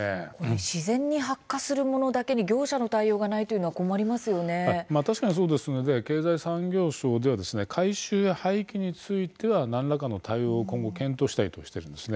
自然に発火するものだけに業者の対応はないというのは確かにそうですので経済産業省では回収、廃棄については何らかの対応を今後検討したいとしているんですね。